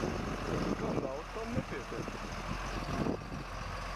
Kam nav, tam nepietiek.